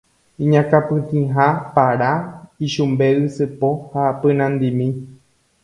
iñakãpytĩha para, ichumbe ysypo ha pynandimi